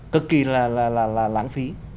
cực kỳ là lãng phí